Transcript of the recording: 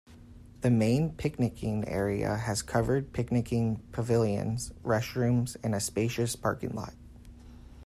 The main picnicking area has covered picnicking pavilions, restrooms, and a spacious parking lot.